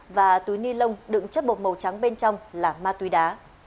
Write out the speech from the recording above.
và túi ni lông đựng chất bột màu trắng bên trong là ma túy đá